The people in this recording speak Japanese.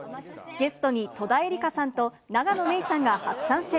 ゲストに戸田恵梨香さんと永野芽郁さんが初参戦。